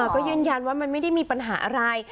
ก็ยืนยันว่ามันไม่ได้มีปัญหาอะไร